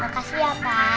makasih ya pak